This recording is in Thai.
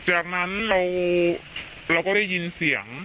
จากนั้นเราก็ได้ยินเสียง